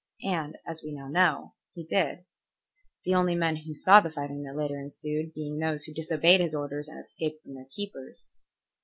And, as we now know, he did, the only men who saw the fighting that later ensued being those who disobeyed his orders and escaped from their keepers.